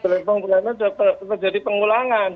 pertamina pelumpang ini sudah terjadi pengulangan